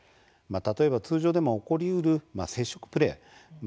例えば、通常でも起こりうる接触プレー